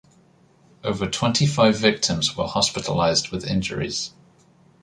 Over twenty-five victims were hospitalised with injuries.